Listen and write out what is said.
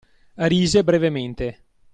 Rise brevemente.